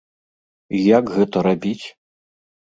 І як гэта рабіць?